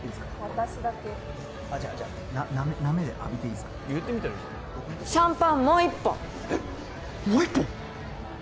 ・私だけ・あっじゃあじゃあナメで浴びていいすか・言ってみたらいいじゃんシャンパンもう一本えっもう一本？